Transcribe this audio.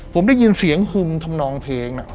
ผมได้ยินเสียงฮึมทำนองเพลงนะ